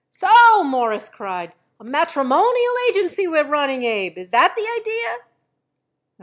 "So!" Morris cried. "A matrimonial agency we're running, Abe. Is that the idea?"